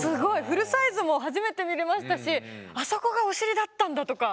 フルサイズも初めて見れましたしあそこがお尻だったんだとか。